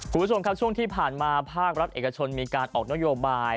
คุณผู้ชมครับช่วงที่ผ่านมาภาครัฐเอกชนมีการออกนโยบาย